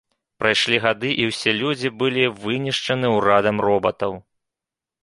Прайшлі гады, і ўсе людзі былі вынішчаны ўрадам робатаў.